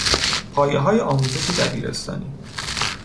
پایههای آموزش دبیرستانی